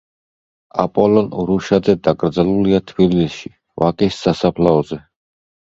აპოლონ ურუშაძე დაკრძალულია თბილისში, ვაკის სასაფლაოზე.